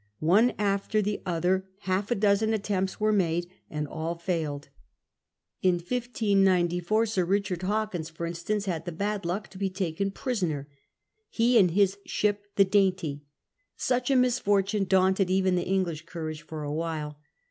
^ One after the other half a dozen attempts were made, and all failed. In 1594 Sir Richard Hawkins, for instance, had the bad luck to be taken prisoner — ^he and his ship the Dainty. Such a misfortune daunted even the English courage for a while.